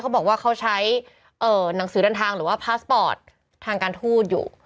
บอกว่าเขาใช้หนังสือเดินทางหรือว่าพาสปอร์ตทางการทูตอยู่